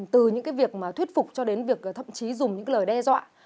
từ những việc thuyết phục cho đến việc thậm chí dùng lời đe dọa